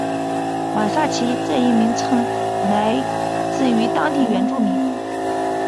瓦萨奇这一名称来自于当地原住民。